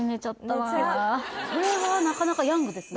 それはなかなかヤングですね